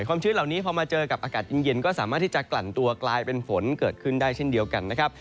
ชื้นเหล่านี้พอมาเจอกับอากาศเย็นก็สามารถที่จะกลั่นตัวกลายเป็นฝนเกิดขึ้นได้เช่นเดียวกันนะครับ